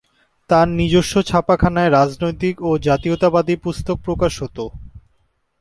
তার নিজস্ব ছাপাখানায় রাজনৈতিক ও জাতীয়তাবাদী পুস্তক প্রকাশ হত।